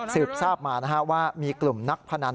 สืบทราบมาว่ามีกลุ่มนักพนันไก่ชน